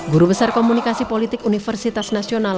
guru besar komunikasi politik universitas nasional